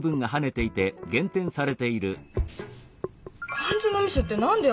漢字のミスって何でよ！